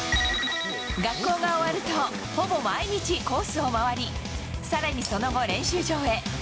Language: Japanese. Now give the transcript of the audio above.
学校が終わると、ほぼ毎日、コースを回り、さらにその後、練習場へ。